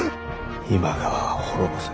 今川は滅ぼせ。